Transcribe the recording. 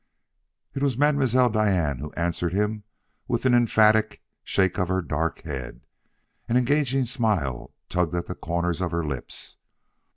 It was Mam'selle Diane who answered him with an emphatic shake of her dark head; an engaging smile tugged at the corners of her lips.